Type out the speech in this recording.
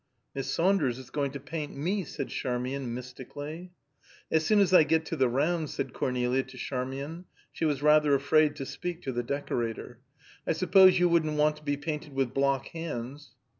"Miss Saunders is going to paint me," said Charmian, mystically. "As soon as I get to the round," said Cornelia to Charmian; she was rather afraid to speak to the decorator. "I suppose you wouldn't want to be painted with block hands."